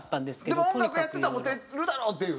でも音楽やってたらモテるだろうという。